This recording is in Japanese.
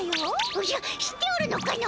おじゃ知っておるのかの？